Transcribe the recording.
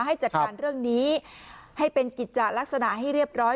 ให้จัดการเรื่องนี้ให้เป็นกิจจะลักษณะให้เรียบร้อย